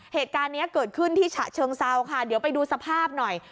เหตุการณ์นี้เกิดขึ้นที่ฉะเชิงเซาค่ะเดี๋ยวไปดูสภาพหน่อย